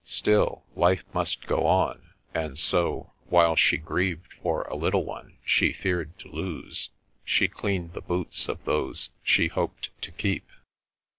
Still, life must go on ; and so, while she grieved for a little one she feared to lose, she cleaned the boots of those she hoped to keep.